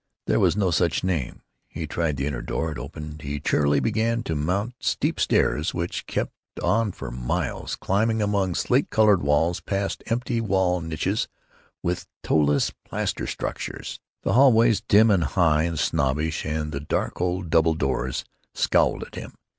There was no such name. He tried the inner door. It opened. He cheerily began to mount steep stairs, which kept on for miles, climbing among slate colored walls, past empty wall niches with toeless plaster statues. The hallways, dim and high and snobbish, and the dark old double doors, scowled at him.